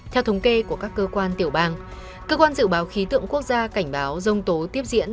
theo thống kê của các cơ quan tiểu bang cơ quan dự báo khí tượng quốc gia cảnh báo rông tố tiếp diễn